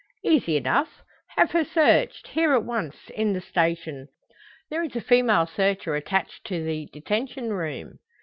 "Easy enough. Have her searched, here at once, in the station. There is a female searcher attached to the detention room."